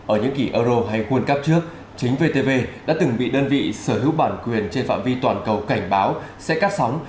ở những kỷ euro hay world cup trước chính vtv đã từng bị đơn vị sở hữu bản quyền trên phạm vi toàn cầu cảnh báo sẽ cắt sóng